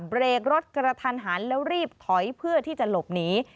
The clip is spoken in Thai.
เบรกรถกระทันหันแล้วรีบถอยเพื่อที่จะหลบหนี